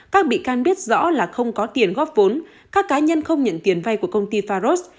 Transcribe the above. các bị can biết rõ là không có tiền góp vốn các cá nhân không nhận tiền vay của công ty faros